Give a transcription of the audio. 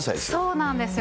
そうなんですよ。